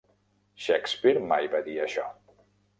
Shakespeare mai va dir això.